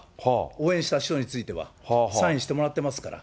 応援した人については、サインしてもらってますから。